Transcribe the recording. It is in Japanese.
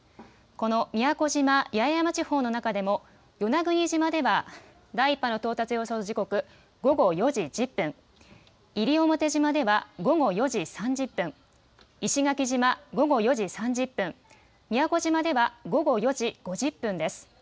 この宮古島・八重山地方の中でも与那国島では第１波の到達予想時刻、午後４時１０分、西表島では午後４時３０分、石垣島、午後４時３０分、宮古島では午後４時５０分です。